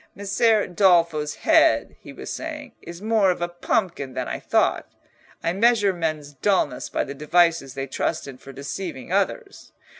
"Messer Dolfo's head," he was saying, "is more of a pumpkin than I thought. I measure men's dulness by the devices they trust in for deceiving others.